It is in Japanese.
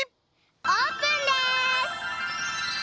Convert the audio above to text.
オープンです！